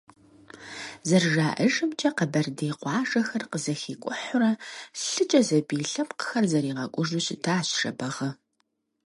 ЗэрыжаӀэжымкӀэ, къэбэрдей къуажэхэр къызэхикӀухьурэ, лъыкӀэ зэбий лъэпкъхэр зэригъэкӀужу щытащ Жэбагъы.